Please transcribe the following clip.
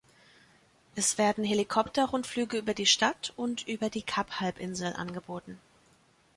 Es werden Helikopter-Rundflüge über die Stadt und über die Kap-Halbinsel angeboten.